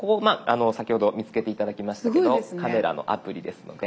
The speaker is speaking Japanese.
先ほど見つけて頂きましたけどカメラのアプリですので。